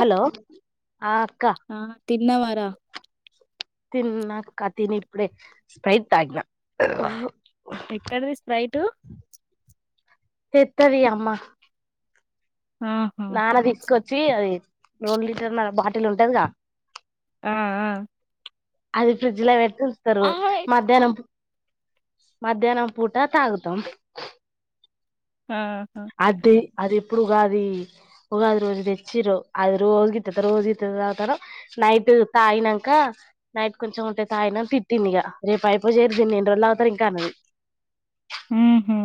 Hello ఆ అక్క ఆ తిన్నవారా తిన్నాక తిని ఇప్పుడే స్ప్రైట్ తగిన ఎక్కడిదీ స్ప్రైట్ తెతది అమ్మ ఆహా నాన్న తీసుకొచ్చి అది రెండు లీటర్ నర బాటిల్ ఉంటదిగా ఆ ఆ అది ఫ్రిడ్జ్ పెట్స్తారు ఆయ్ మధ్యాహ్నం మధ్యాహ్నం పూట తాగుతాం ఆహా అది అదే ఇప్పుడు ఉగాది ఉగాది రోజు తెచ్చిర్రు అది రోజు గీతత రోజు గీతత తాగుతానం నైట్ తాగినక నైట్ కొంచెం ఉంటే తాగిన తిట్టింది ఇక రేపు అయిపోచేయరి ఇంకా ఎన్నిరోజులు తాగుతారు ఇంకా అ ఆ హా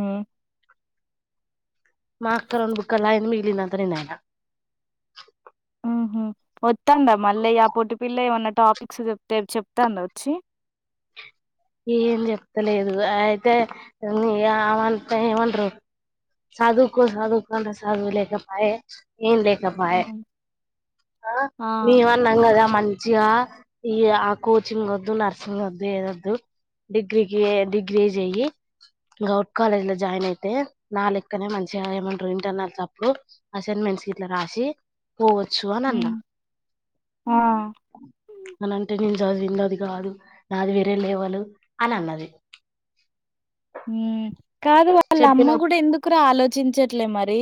మా అక్క రెండు బుక్కలు తాగింది మిగిలిందంతా నేను తాగిన వస్తాందా మళ్ళీ ఆ పొట్టి పిల్ల ఎం అయినా టాపిక్స్ చెప్తే చెప్తాందా వచ్చి ఏం చెప్తలేదు అయితే ఆ ఆమ్మంటే ఏమంటరు చదువుకో చదువుకో అంటే చదువు లేకపోయే ఏం లేక పాయే ఉమ్, ఆ మేమన్నాం కదా మ మంచిగా ఈ ఆ కోచింగ్ వద్దు నర్సింగ్ వద్దు ఏది వద్దు డిగ్రీకి డిగ్రీ చేయి గౌట్ కాలేజ్ లో జాయిన్ అయితే నా లెక్కనే మంచిగా ఏయమంట ఇంటర్నల్ అప్పుడు అసైన్మెంట్ బుక్స్ గిట్ల రాసి పోవచ్చు అని అన్నా ఉమ్, ఆ అని అంటే నేను చదివింది అది కాదు నాది వేరే లెవెల్ అని అన్నది కాదు వాళ్ళ చెప్పిన అమ్మ కూడా ఎందుకు రా ఆలోచించ మరి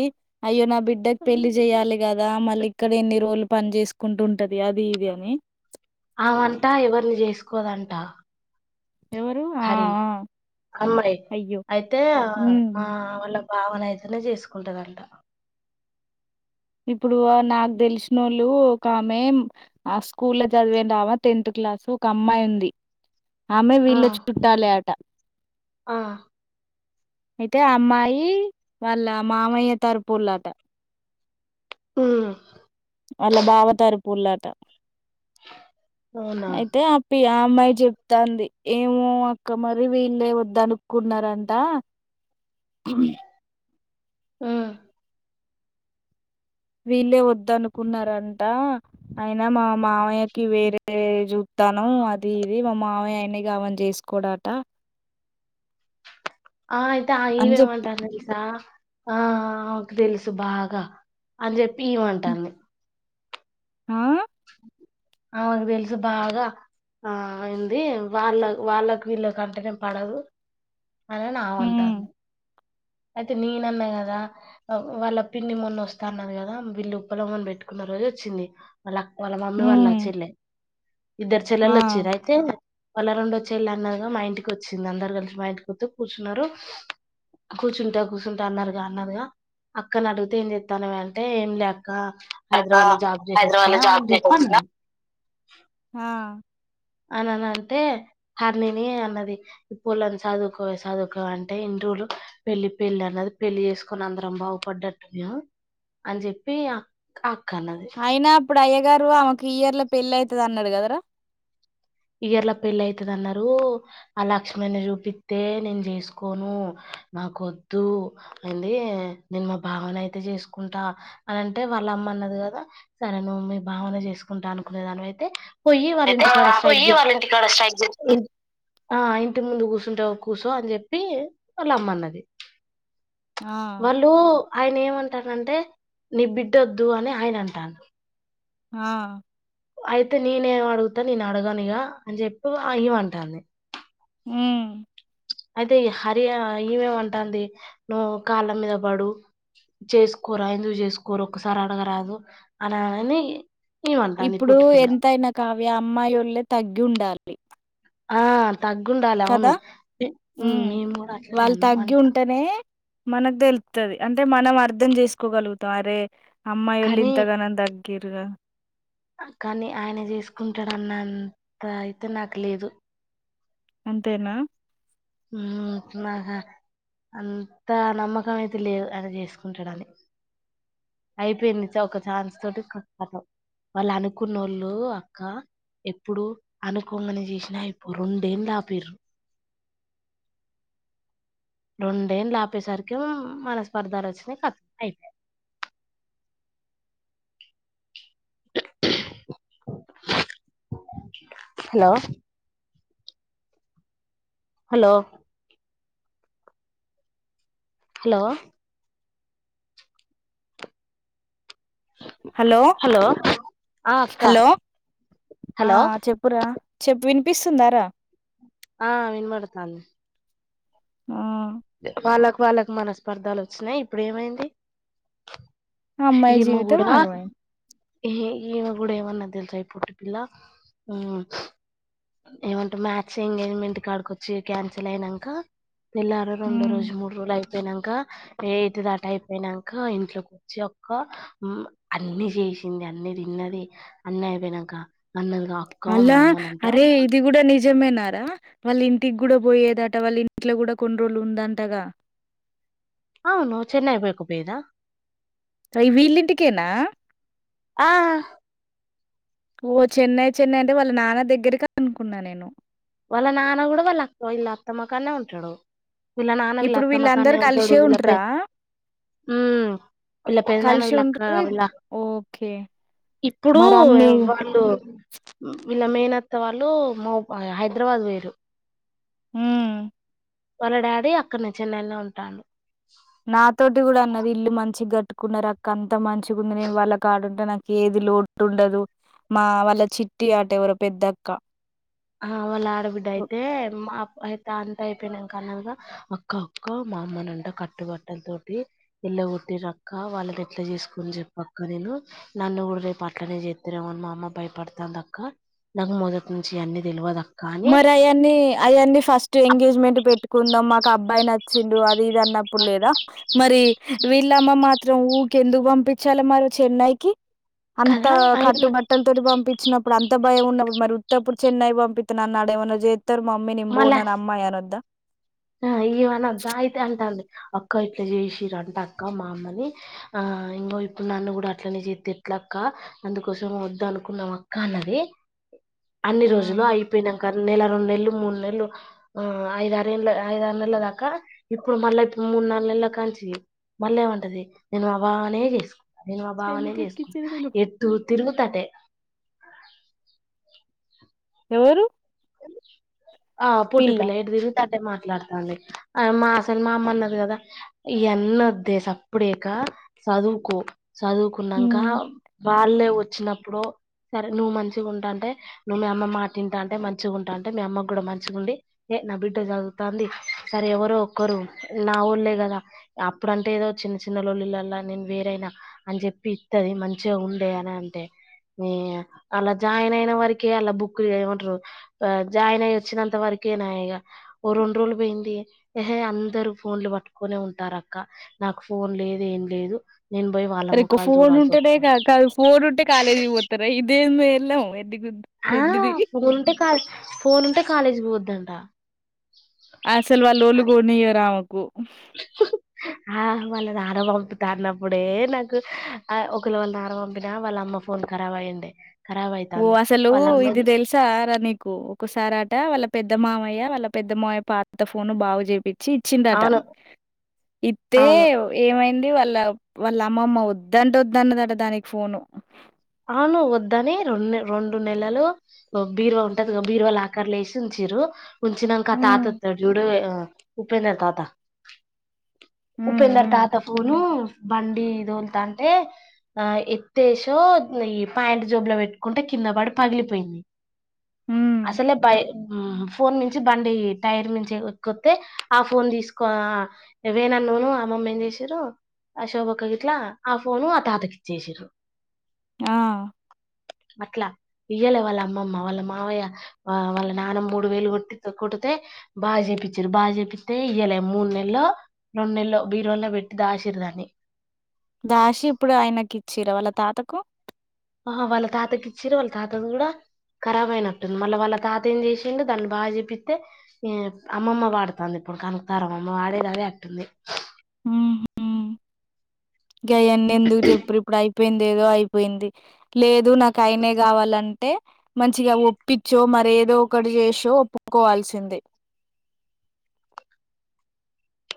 అయ్యో నా బిడ్డకి పెళ్లి చెయాలి కదా మళ్ళీ ఇక్కడ ఎన్ని రోజులు పని చేసుకుంటుంటది అది ఇది అని అమంటా ఎవరిని చేసుకోదంట ఎవరు ఆ హరి ఆ అమ్మాయి అయ్యో అయితే ఉమ్ మా వాళ్ళ బావనైతేనే చేసుకుంటది అంట ఇప్పుడు నాకు తెలిసినోళ్ళు ఒక ఆమెే ఆ స్కూల్ లో చదివేటామా టెన్త్ ఒక అమ్మాయి ఉంది ఆ అమ్మాయి వీళ్ళ చుట్టాలే అంట ఆ అయితే అమ్మాయి వాళ్ళ మామయ్య తర్పొలు అంట మ్మ్ వాళ్ల బావ తర్పొలు అంట అవునా అయితే ఆ పి ఆ అమ్మాయి చెప్తాంది ఏమో అక్క మరి వీళ్ళే వద్ద అనుకున్నారంట కు యి హ్మ్ వీళ్ళే వద్ద అనుకున్నారంట అయినా మా మావయ్యకి వేరే జు ధనం అది ఇది మా మావయ్య ఆ అని గావని జెస్కోడాట ఆ అయితే ఆ అని ఇళ్ళు చెప్పి ఏమన్నటారో తెల్సా ఆ ఆ తెలుసు బాగా అని జెప్పి ఇయ్యిమంటాంది ఆహ్! ఆమెకు తెల్సు బాగా ఆ ఎంది వాళ్ళ వాళ్ళకు వీళ్ళకు అంటేనే పడదు అని ఉమ్ నామంటాంది అయితే నేనన్నా కదా వాళ్ళ పిన్ని మొన్న వస్తా అన్నది కదా వీళ్ళు పులగమ్ పెట్టుకున్నారు రొయ్య్ వచ్చింది వాల వాళ్ళ మమ్మీ వాళ్ళ ఉమ్ చెల్లె ఇద్దరు ఆ చెల్లెలు వచ్చిరు అయితే వాళ్ళ రెండో చెల్లి అన్నగొ మా ఇంటికి వచ్చింది అందరు కలిసి మా ఇంటికి వత్తు కూర్చున్నారు కూర్చుంటా కూర్చుంటా అన్నారుగ అన్నారుగ అక్కనడిగితే ఏం చెత్తనావే అంటే ఏం లే క్క అట్లా హైదరాబాద్ లో జాబ్ హైదరాబాద్ లో జేసినొచ్చినా జాబ్ అని చేసి జెప్పి వచ్చిన అన్నది ఆ అననంటే హర్నిని అన్నది పోలే చదువుకోవె చదువుకోవె అంటే ఇంటు పెళ్లి పెళ్లి అన్నది పెళ్లి చేస్కొని అందరం బాగుపడ్డట్టు య అని జెప్పి అక్ అక్ అయినా అప్పుడు అయ్యగారు ఆమెకు ఈ ఇయర్ లో పెళ్లి అయితది అన్నాడు కదరా ఇయర్ల పెళ్ళ అయితది అన్నారు ఆ లక్ష్మన్ జూపిత్తే నేను జేసుకోను నాకొద్దు ఎంది నేను మా బావనైతే అయితే జేసుకుంటా అనంటే వాళ్ళ అమ్మ అన్నది గదా సరే నువ్వు మీ బావనే చేసుకుంటా అనుకునే దాని వైయితే పోయి వాళ్ళ అయితే ఇంటికాడ పోయి టెగ్సిట్ వాళ్ళ ఇంటికాడ స్ట్రైక్ చే ఇ ఆ ఇంటి ము ముందు కూర్చుంటావ కూర్చో అని జెప్పి వాళ్ళ అమ్మన్నది ఆ వాళ్ళు ఆయన ఏమంటడంటే నీ బిడ్డొద్దు అని ఆయన అంటాండు ఆ అయితే నేనేం అడుగుతా నేను అడగను ఇగ అని జెప్పి ఈమె అంటాంది హ్మ్ అయితే హరి ఇమేమంటాంది నువ్వు కాళ్ళ మీద పడు చేసుకోరా ఎందుకు చేసుకోరు ఒకసారి అడగరాదు అననని ఇప్పుడు ఎంతైనా కావ్య అమ్మాయి వోళ్ళే తగ్గి ఉండాలి ఆ తగ్గుండాలి అవును కదా మే ఉమ్ నేను గూడా అట్లనే అన్న అంటే మనక్ దెలుత్తది అంటే మనం అర్థం చేస్కోగలుగుతాం అరే అమ్మాయి వోళ్ళు కానీ ఇంతగనం దగ్ కేరరా కానీ ఆయన జేసుకుంటాడన్నంత అయితే నాకు లేదు అంతేనా హ్మ్ నాగ అంత నమ్మకం అయితే లేదు ఆయన జేస్కుంటాడని అయిపోయింది త ఒక ఛాన్స్ తోటి కతం వాళ్ళు అనుకున్నోళ్ళు అక్క ఎప్పుడు అనుకోంగనే జేసినా ఇపు రెండేళ్ళు ఆపిరు రెండేంళ్ళు ఆపేసరికి మనస్పర్థాలు వచ్చినాయ్ కతం అయిపోయే హలో హలో హలో హలో ఆ అక్క హలో ఆ హలో చెప్పురా చెప్పు విన్ వినిపిస్తుందా రా, ఆ వినబడతాంది ఆ వాళ్ళకు వాళ్ళకి మన స్పర్ధలు వచ్చినాయి ఇప్పుడు ఏమైంది ఆ అమ్మాయి ఈయమ జీవితం కూడా ఆగమైంది. ఈమే కూడా ఏవన్నది తెల్సా ఈ పొట్టి పిల్ల ఉ ఏమంటే మ్యాచ్ ఎంగేజ్మెంట్ కాడికొచ్చి క్యాన్సిల్ అయినాక రెండు హ్మ్ రోజు మూడు రోజులు అయిపోయినాక ఎటు దాట అయిపోయినాక ఇంట్లోకి వచ్చి ఒక అన్ని చేసింది అన్ని తి న్నది అన్న అయిపోయినాక అన్నది అక్క మా అమ్మని అంటా నిజమే నారా వాళ్ళ ఇంటికి కూడా పోయేదట వాళ్ళ ఇంట్లో కూడా కొన్ని రోజులు ఉందంటగా అవును చెన్నై వైపు పైదా అ వి వీళ్ళింటికేనా ఆ ఓ చెన్నై చెన్నై అంటే వాళ్ళ నాన్న దగ్గరకి అనుకున్నా నేను వాళ్ళ నాన్న కూడా వాళ్ళ అ వీళ్ళ అత్తమ్మ కానే ఉంటాడు వీళ్ళ నాన్న వీళ్ళ ఇప్పుడు అత్తామ్మ కానేే వీళ్ళందరు ఉంటడు కలిసే విల్ల పె ఉంటరా ఉమ్ వీళ్ళ పెద్దనాన్న కలిసి వీళ్ళ అక్క ఉంటరు వీళ్ళ ఓకే ఇప్పుడు మరి అన్ని వాళ్ళు లా మేనత్త వాళ్ళు మో హైదరాబాద్ పోయిరు ఊ మ్ వాళ్ళ డాడీ అక్కడనే చెన్నైలో ఉంటాడు నాతోటి కూడా అన్నది ఇల్లు మంచి కట్టుకున్నారు అక్క అంత మంచిగా ఉంది నేను వాళ్ళ కాడుంటే నాకు ఏది లోటుండదు మా వాళ్ళ చిట్టి ఆట ఎవరో పెద్దక్క ఆ వళ ఆడబిడ్డ అయితే మ అ అయితా అంత అయిపోయినా అన్నగా అక్క అక్క మా అమ్మనంట కట్టుబట్టల తోటి ఇల్ల కొట్టి ర క వాళ్ళని ఎట్లా చేసుకుొని చెప్పక్క నేను నన్ను కూడా రేపు అట్లనే చెత్తారేమో మా అమ్మ భయపడుత తాంది అక్క నాక్ మొదటి నుంచి ఈయన్ని తెలివదక్క మరి అయన్ని అయీ ఫస్ట్ ఎంగేజ్మెంట్ పెట్టుకుందాం మాకు అబ్బాయి నచ్ చిన్ను అది ఇది అన్నప్పుడు లేదా మరి వీళ్ళమ్మ మాత్రం ఊ కి ఎందుకు పంపించాలి మరే చెన్నైకిి అంత కదా కట్టు అయి బట్టలతోటి పంపించినప్పుడు అంత భయం ఉన్నప్పుడు మరి ఉత్తప్పుడు చెన్నై పంప న నా అడవన జతారు మమ్మీ నేన్ బోను అని అమ్మయ అని అనొద్ద ఆ ఇవనాంతా అయితే అంటాండి అక్క ఇట్లా చేసిర అంట అక్క మా అమ్మని ఆ ఆ ఇం ఇప్పుడు నన్ను కూడా అట్లనే చేస్త ఎట్ల అక్క అందుకోసం వద్దు అనుకున్నాం అక్క అన్నది అన్ని ఆ! రోజులు అయిపోయినాక నెల రెండు నెలలు మూడు నెలు ఆ ఐద ఆరేళ్లు ఐదు ఆరు నెలల దాకా ఇప్పుడు మళ్ళీ ఇప్పుడు మూడు నాలుగు నెలల కాంచి మళ్ళ ఎం అంటది నేను మా బావనే చేసుకు నేను మా బావనే చేసుకు ఎందుకెక్కిచ్చింది నేను ఎటు తిరుగుతాటే ఎవరు ఆ పొట్టి పిల్ల ఇటు తిరు అడే మాట్లాడతాంది ఆ మా సిన మామ్మ అన్నది కదా ఇయన్నోద్దే సప్పుడు చేయక సదువుకో చదువుకున్నాంక హ్మ్. వాళ్లే వచ్చినప్పుడు సరే నువ్ మంచిగా ఉంటా అంటే నువ్వు మీ అమ్మ మాట ఇంటాంటే మంచి మంచింగా ఉంటా అంటే మీ అమ్మ కూడా మంచిగుండి ఏ నా బిడ్డ చదువుతాంది సరే ఎవరో ఒకరు నా మా ఒళ్లే కదా అప్పుడు అంటే ఏదో చిన్న చిన్న ల్లులలా నేను వేరైనా అని చెప్పి ఇస్తది మంచి చే ఉండే అని అంటే అలా జాయిన్ అయిన వరకి అలా బుక్లు ఏమంటారు జాయిన్ అయ వచ్చినంత వరకేనా ఇక ఓ రెండు రోజులు పోయిందిహే అందరు ఫోన్లు పట్టుకోనే ఉంటారక్క నాకు ఫోన్ లేదు ఏం లేదు నేను పోయి వాళ్ళ అర ముఖాలు ఫోన్ చూడాల్సి ఉంటేనే వస్తుంది ఫోన్ ఉంటే కాలేజ్ పోతారా ఇదేమ ఎల్ ఎ ఆ ఫోన్ంటే కాలే ఫోన్ ఉంటే కాలేజీ పోద్దంట అసలు వాళ్ళలుగునియ రా హా ఆహ్ వాన నార పంపుతా అన్నప్పుడే నాకు ఒకళ వాళ్ళ నార పంపినా వాళ్ళ అమ్మ ఫోన్ ఖరాబ్ అయ్యడి ఓ అసలు ఇది ఎల్సా రనికు ఒక్క్కసారాట వాళ్ళ పెద్ద మామయ్య వాళ్ళ పెద్ద మామయ్య పాత ఫోను బాగు చేపి వచ్చి ఇచ్చిందట అవును ఇత్తే అవును ఏమైంది వాళ్ళ వాళ్ళ అమ్మమ్మ వద్దంట వద్దన్నదట దానికి ఫోను అవును వద్దని రెండు రెండు నెలలు బీరువా ఉంటది బీరువాలు ఆకర్లు వేసి ఉంచి రు ఉుంచినంకా హ్మ్. తాత జూడు ఉపేంద తాత ఉపె హ్మ్. ఎందర్ హ్మ్. తాత ఫోను బండి దోలుతా అంటే ఆ ఎత్తేసో ఈ పా్యాంట్ జోబులో పెట్టుకుంటే కింద పడి పగిలిపోయింది హ్మ్. అసలే బయ ఫోన్ నుంచి బండి టైర్ ను ఎకొతే ఆ ఫోన్ తీసుకో వేనా ఫోను ఆ మమ్మ ఏం చేసారు అశోభక్క గిట్లా ఆ ఫోను ఆ తాతకి ఇచ్చసారు ఆ అట్లా ఇయ్యలే వాళ్ళ అమ్మమ్మ వాళ్ళ మావయ్య వాళ్ళ నాన్న మూడు వేలు కొట్టి కొ బాగా చేేయిచ్చారు బాజేపిస్తే ఇయలే మూడు నెలలో రెండు నెలలో బీరువాలో పెట్టి దా శర్ధాని దాషి ఇప్పుడు ఆయనకి ఇచ్చరా వాళ్ళ తాతకు ఆహా వాళ్ళ తాతకి ఇచ్చారు వాళ్ళ తాతది కూడా కరాబ్ అయినట్టుంది మళ్ళీ వాళ్ళ తాత ఏం చేసిండడి దాన్ని బాగా చెపిస్తే అమ్మమ్మ వాడుతంది కనుక్తారు మమ్మ వాడేది అదే అట్టుంది గాయన్ని ఎందుకు చెప్పుారు ఇప్పుడు అయిపోయింది ఏదో అయిపోయింది లేదు నాకు అయనే కావాలని అంటే మంచిగా ఒప్పించో మర ఏదో ఒకటి చేసో ఒప్పుకోవాల్సిందే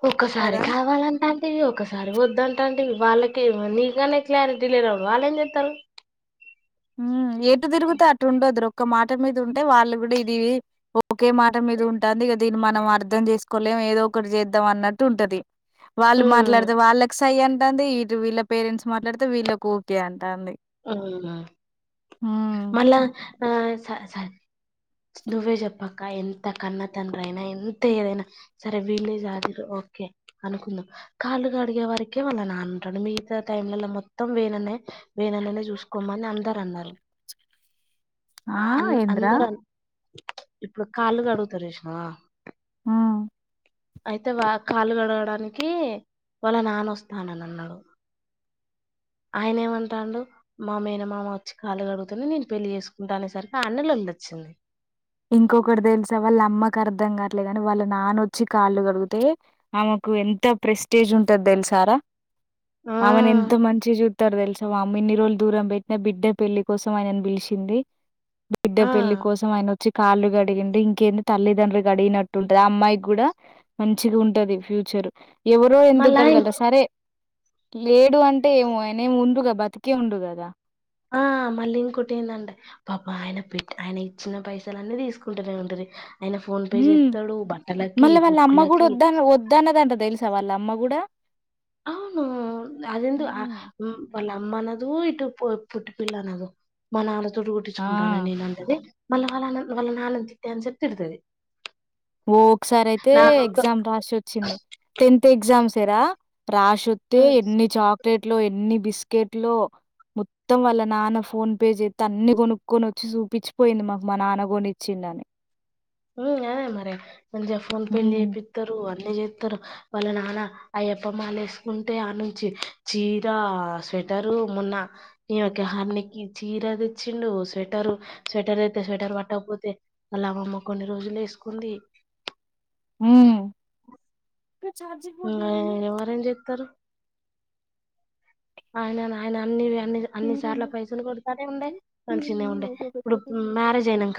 ఒసారి కదా! కావాలన్నాం అ ఇ ఒకసారి వద్దంట అంటే వాళ్ళకిే నీకనే క్లారిటీ లేద ఉ వాళ్ళు ఏం చెప్తారు హ ఏటు తిరుగుతేా ఆటు ఉండద్్ ఒక మాట మీద ఉంటే వాళ్ళు కూడా ఇది ఒకే మాట మీద ఉంటుంది దీన్ని మనం అర్థం చేసుకోలే ఏదో ఒకటి చేద్దాం అన్నట్టు ఉంటది వాళ్ళు ఉమ్ మాట్లాడితే వాళ్ళకి సై ంట వీళ్ళ పేరెంట్స్ మాట్లాడితే వీళ్ళలకు ఓకే అంట అంది ఆ మళ్ళ ఆ స నువ్వే జప్పక్క ఎంత కన్నతండ్ర అయినా ఎంత ఏదైనా సరే వీలీజ్ది ఓకే అనుకుందాం కాళ్ళుగా అడిగే వారికే వాళ్ళ నానంటాను మిగతా టైంల మొత్తం వేననే వేనన్ననే చూసుకోమని అందరు అన్నారు ఆ! అ ఏందిరా? అందరు ఇప్పుడు కాళ్ళు క అడుగుతారు చూసినవా ఆా అయితే వా కాళ్ళు గడగడానికి వాళ్ళ నాన్న వస్తానని అన్నాడు ఆయన ఏమంటాండు మామేన మామ వచ్చి కాలు అడుగుతనే నేను పెళ్ళి చేసుకుంటా అనే సరికి ఆ అన్నలో వచ్చింది ఇంకొకటి తెల్సా వల్ అమ్మ అర్థం కావట్లేదు కాని వాళ్ళ నానొచ్చి కాళ్ళు కడిగితే ఆమెకు ఎంత ప్రెస్టేజ్ ఉంటది తెలుసు నార ఆ ఆమెను ఎంత మంచిగ చుత్తరు తెలుస వామ్మో ఇన్ని రోజులు దూరం పెట్టిన బిడ్డ పెళ్లి కోసం ఆయనను పిలిచింది బిడ్డ ఆ పెళ్లి కోసం ఆయన కాళ్ళు కడిగిండు ఇంకేంది తల్లిదండ్రులు గడిగినట్టుంటది ఆ అమ్మాయికి కూడా మంచి ఉంటది ఫ్య చర్ ఎవరు ఎందుకు మళ్ళా గడగలరా సరే లేడు అంటే ఏమో ఆయనేమీ ఉండు కదా బతికే ఉండు కదా ఆ మళ్ళీ ఇంకొట్టిందంటే పాపం ఆయన బిడ్డ ఆయన ఇచ్చిన పైసలన్నీ తీసుకుంటనే ఉంటది ఆయన ఫోన్ పే హ్మ్. చెత్తాడు బట్టలకి మళ్ళా వాళ్ళ బుక్ అమ్మ కూడా లకి వద్ద వద్దన్నదంట తెలుసా వాళ్ళ అమ్మ కూడా అవును అదెందో ఆ హ్మ్. వాళ్ల ఆమ్ మనదు ఇటు పుట్టి పల్ల అనదు మ నాన్నతోటి గుట్టించుకుంటా ఆ! అని అంటది మళ్ళా వాళ్ళ వాళ్ళ నాన్నని తిట్టెంత సేపు తిడతది ఓ ఒకసారి అయితే ఎగ్జామ్ రాసి వచ్చింది టెన్త్ ఎగ్జామ్స్రా రాసోత్తే ఎన్ని చాక్లెట్లో ఎన్ని బిస్కెట్లో మొత్తం వాళ్ళ నాన్న ఫోన్ పే చెత్తే అన్ని కొనుక్కొని వచ్చి చూపించిపోయింది మాకు మా నాన్న కొనిచ్చు [unintelligible] హుం అ మరి కొంచెం ఫోన్ పే హ్మ్. చెపిత్తరు అట్లనే చెత్తరు వాళ్ళ నాన్న అయ్యప్పమాల వేసుకుంటే ఆడ్నుంచి చీర స్వటరు మొన్న ఈమెకు హరిని కి చీర తెచ్చిండు స్వెటరు స్వటర్ అయితే స్వ టర్ పట్టక పోతే అలా అమ్మ కొన్ని రోజులు వేసుకుంది మామ్ ఇంగ ఎవరేం చెత్తారు ఆయన నా ఆయన అన్నీ అన్ని అన్ని సార్లు ఏడుంది? పైసలు కొడతానే ఉండే మంచిగనే ఉండే ఇప్పుడు మ్యారేజ్ అయినాక